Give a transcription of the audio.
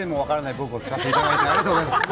僕を使っていただいてありがとうございました。